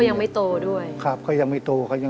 แล้วเขาก็ยังไม่โตด้วย